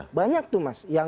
menggunakan kemampuan yang